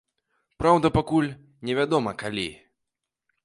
Праўда, пакуль невядома, калі.